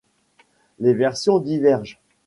Les versions divergent.